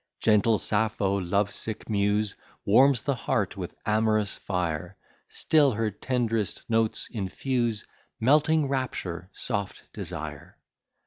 Gentle Sappho, love sick muse, Warms the heart with amorous fire; Still her tenderest notes infuse Melting rapture, soft desire.